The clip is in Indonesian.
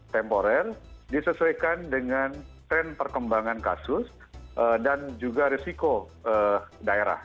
temporer disesuaikan dengan tren perkembangan kasus dan juga risiko daerah